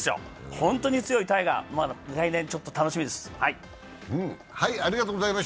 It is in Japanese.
本当に強いタイガー、来年ちょっと楽しみです。